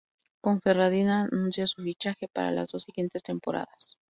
Ponferradina anuncia su fichaje para las dos siguientes temporadas.